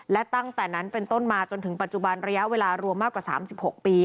และตั้งแต่นั้นเป็นต้นมาจนถึงปัจจุบันระยะเวลารวมมากกว่า๓๖ปี